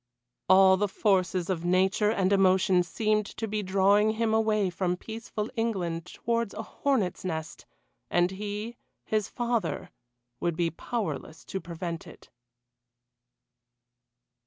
All the forces of nature and emotion seemed to be drawing him away from peaceful England towards a hornets' nest, and he his father would be powerless to prevent it.